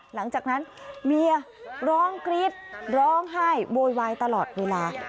หลังจากนั้นเมียร้องกรี๊ดร้องไห้โวยวายตลอดเวลา